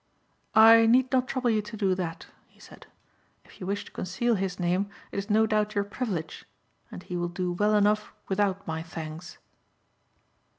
"I need not trouble you to do that," he said, "if you wish to conceal his name it is no doubt your privilege and he will do well enough without my thanks."